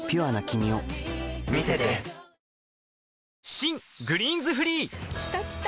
新「グリーンズフリー」きたきた！